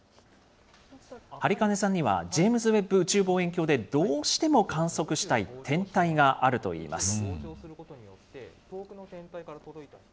播金さんには、ジェームズ・ウェッブ宇宙望遠鏡でどうしても観測したい天体があるといいます。